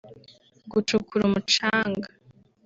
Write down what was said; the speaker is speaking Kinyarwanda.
gucukura umucanga